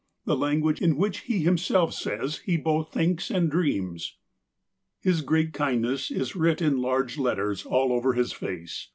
THE GRAND OLD MAN 371 guage in which he himself says he both thinks and dreams. His great kindness is writ in large letters all over his face.